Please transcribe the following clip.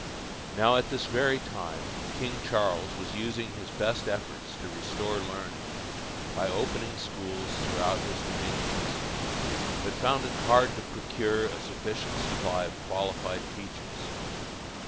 Now at this very time King Charles was using his best efforts to restore learning, by opening schools throughout his dominions, but found it hard to procure a sufficient supply of qualified teachers.